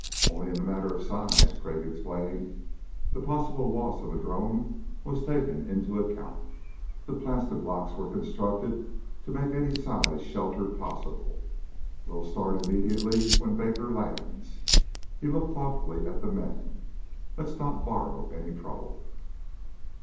"Only in the matter of size," Crag explained. "The possible loss of a drone was taken into account. The plastiblocks are constructed to make any size shelter possible. We'll start immediately when Baker lands." He looked thoughtfully at the men. "Let's not borrow any trouble."